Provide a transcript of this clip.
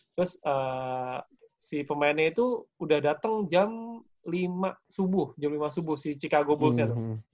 terus si pemainnya itu udah datang jam lima subuh jam lima subuh si chicago bosnya tuh